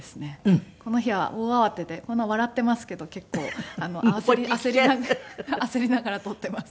この日は大慌てでこんな笑っていますけど結構焦りながら焦りながら撮っています。